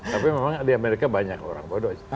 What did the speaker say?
tapi memang di amerika banyak orang bodoh